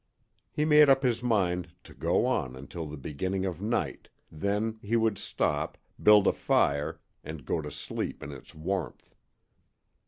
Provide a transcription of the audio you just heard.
He made up his mind to go on until the beginning of night, then he would stop, build a fire, and go to sleep in its warmth.